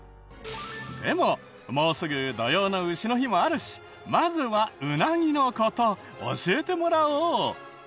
でももうすぐ土用の丑の日もあるしまずはウナギの事教えてもらおう。